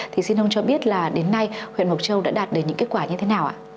thì xin ông cho biết là đến nay huyện mộc châu đã đạt được những kết quả như thế nào ạ